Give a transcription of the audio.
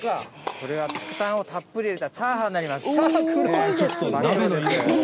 これは竹炭をたっぷり入れたチャーハン、黒いですね。